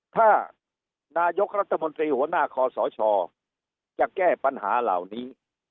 ถ้านายกรัฐมนตรีหัวหน้าคอสชจะแก้ปัญหาเหล่านี้